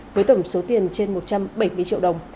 với tổng số tiền trên một trăm bảy mươi triệu đồng